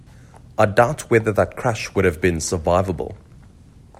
I doubt whether that crash would have been survivable.